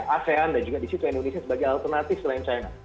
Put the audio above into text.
asean dan juga di situ indonesia sebagai alternatif selain china